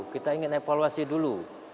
kita ingin evaluasi dulu